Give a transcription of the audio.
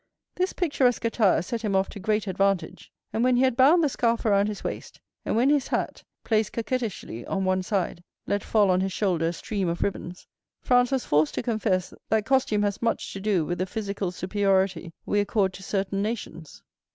This picturesque attire set him off to great advantage; and when he had bound the scarf around his waist, and when his hat, placed coquettishly on one side, let fall on his shoulder a stream of ribbons, Franz was forced to confess that costume has much to do with the physical superiority we accord to certain nations.